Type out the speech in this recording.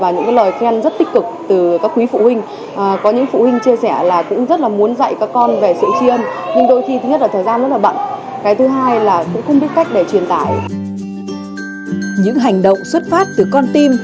những hành động xuất phát từ con tim